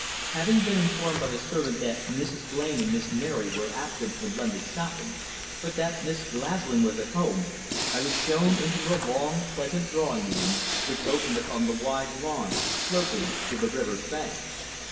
Having been informed by the servant that Mrs. Blain and Miss Mary were absent in London shopping, but that Miss Glaslyn was at home, I was shown into the long, pleasant drawing room which opened upon the wide lawn sloping to the river's brink.